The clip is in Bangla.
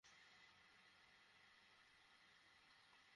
তো, পরবর্তী প্রাণহানির আগে গ্যাংটাকে গ্রেপ্তার করতে হবে।